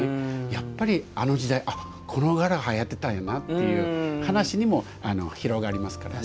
やっぱりあの時代この柄はやってたんやなっていう話にも広がりますからね。